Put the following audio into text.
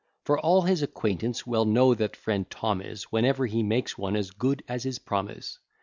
For all his acquaintance well know that friend Tom is, Whenever he makes one, as good as his promise.